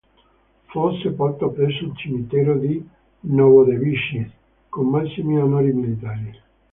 Fu sepolto presso il Cimitero di Novodevičij con massimi onori militari.